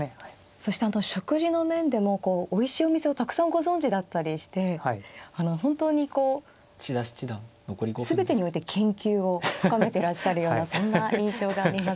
そしてあの食事の面でもおいしいお店をたくさんご存じだったりして本当にこう全てにおいて研究を深めていらっしゃるようなそんな印象があります。